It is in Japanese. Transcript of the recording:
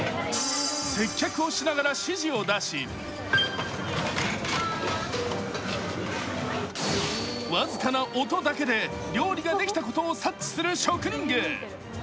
接客をしながら指示を出し、僅かな音だけで料理ができたことを察知する職人芸。